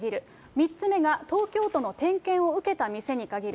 ３つ目が東京都の点検を受けた店に限る。